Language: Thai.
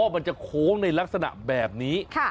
มันจะโค้งในลักษณะแบบนี้